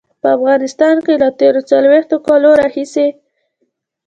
په افغانستان کې له تېرو څلويښتو کالو راهيسې.